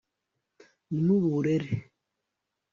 n'uburere